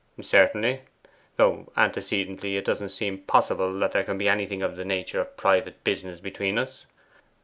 'Certainly. Though antecedently it does not seem possible that there can be anything of the nature of private business between us.